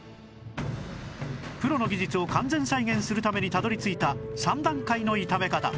プロの技術を完全再現するためにたどり着いた３段階の炒め方